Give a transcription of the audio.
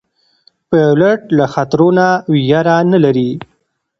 پیلوټ له خطرو نه ویره نه لري.